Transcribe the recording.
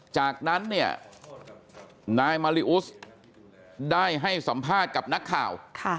จากนั้นเนี่ยนายมาริอุสได้ให้สัมภาษณ์กับนักข่าว